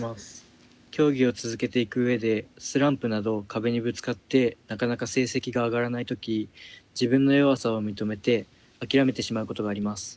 競技を続けていく上でスランプなど壁にぶつかってなかなか成績が上がらない時自分の弱さを認めて諦めてしまうことがあります。